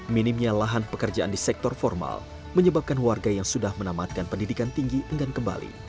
minimnya lahan pekerjaan di sektor formal menyebabkan warga yang sudah menamatkan pendidikan tinggi enggan kembali